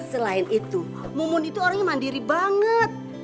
selain itu mumun itu orangnya mandiri banget